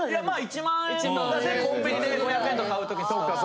１万円とかでコンビニで５００円とか買うときとか。